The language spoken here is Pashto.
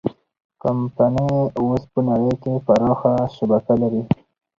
کمپنۍ اوس په نړۍ کې پراخه شبکه لري.